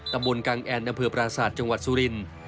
ตำบลกังแอนอำเภอปราศาสตร์จังหวัดสุรินทร์